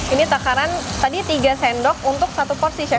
ini takaran tadi tiga sendok untuk satu porsi chef